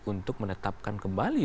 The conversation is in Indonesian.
untuk menetapkan kembali